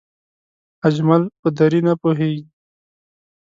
اجمل په دری نه پوهېږي